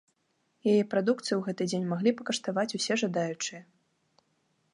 Яе прадукцыю ў гэты дзень маглі пакаштаваць усе жадаючыя.